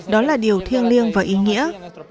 đó là điều thiêng liêng và ý nghĩa